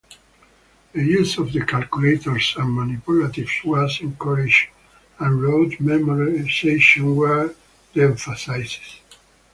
The use of calculators and manipulatives was encouraged and rote memorization were de-emphasized.